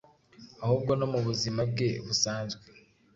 ahubwo no mu buzima bwe busanzwe,